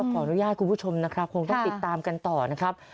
ขออนุญาตคุณผู้ชมนะครับคงต้องติดตามกันต่อนะครับ